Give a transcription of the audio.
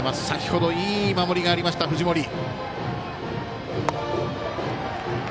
先ほど、いい守りがあった藤森。